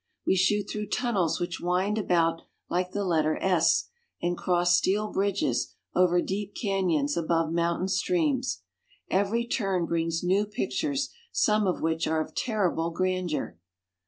We shoot through tunnels which wind about like the letter S, and cross steel bridges over deep canyons above mountain streams. Every turn brings new pictures, some of which are of terrible grandeur.